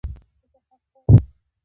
ښځه حق غواړي